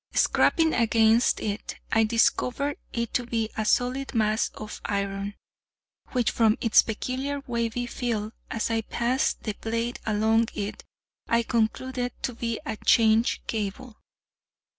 Scraping against it, I discovered it to be a solid mass of iron, which, from its peculiar wavy feel as I passed the blade along it, I concluded to be a chain cable.